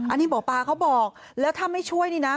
อันนี้หมอปลาเขาบอกแล้วถ้าไม่ช่วยนี่นะ